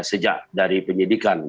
sejak dari penyidikan